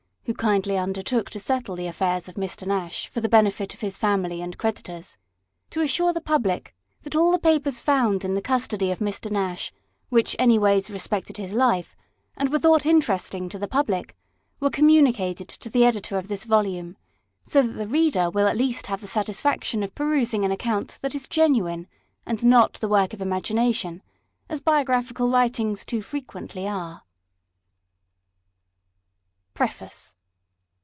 (who kindly undertook to settle the affairs of Mr. Nash, for the benefit of his family and creditors), to assure the public, that all the papers found in the custody of Mr. Nash, which anyways respected his life, and were thought interesting to the public, were communicated to the Editor of this Volume ; so that the reader will at least have the satisfaction of perusing an account that is genuine, and not the work of imagination, as biographical writings too frequently are. 1 To. the second edition. PREFACE.